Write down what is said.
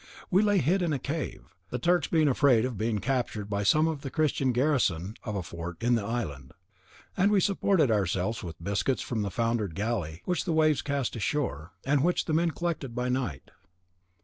We lay hid in a cave, the Turks being afraid of being captured by some of the Christian garrison of a fort in the island, and we supported ourselves with biscuits from the foundered galley which the waves cast ashore, and which the men collected by night.